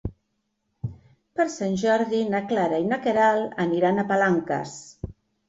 Per Sant Jordi na Clara i na Queralt aniran a Palanques.